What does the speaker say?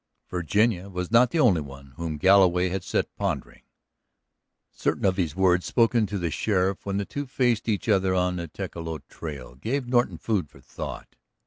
... Virginia was not the only one whom Galloway had set pondering; certain of his words spoken to the sheriff when the two faced each other on the Tecolote trail gave Norton food for thought.